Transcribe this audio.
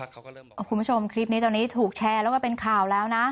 คุณผู้ชมคลิปนี้ตอนนี้ถูกแชร์แล้วก็เป็นข่าวแล้วนะ